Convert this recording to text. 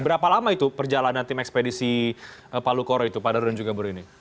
berapa lama itu perjalanan tim ekspedisi palu koro itu pak daru dan juga bu rini